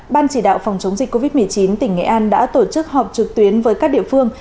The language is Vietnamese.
ban chỉ đạo phòng chống dịch covid một mươi chín tỉnh nghệ an đã tổ chức họp trực tuyến với các địa phương